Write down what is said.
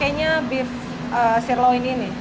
kenapa pakainya sirloin ini